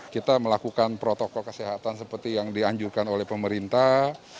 kita melakukan protokol kesehatan seperti yang dianjurkan oleh pemerintah